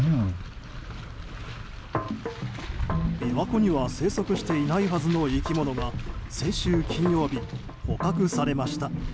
琵琶湖には生息していないはずの生き物が先週金曜日、捕獲されました。